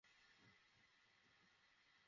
একাজ করা যাবে না, বলেছিলাম তোমাকে।